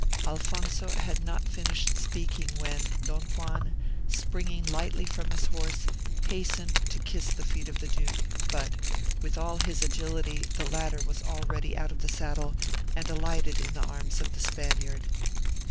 Alfonzo had not finished speaking, when Don Juan, springing lightly from his horse, hastened to kiss the feet of the duke; but, with all his agility, the latter was already out of the saddle, and alighted in the arms of the Spaniard.